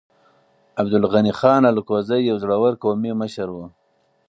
عبدالغني خان الکوزی يو زړور قومي مشر و.